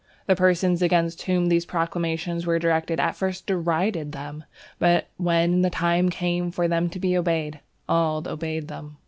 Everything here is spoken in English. The persons against whom these proclamations were directed at first derided them; but, when the time came for them to be obeyed, all obeyed them.